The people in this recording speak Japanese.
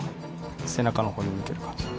背中のほうに向ける感じ。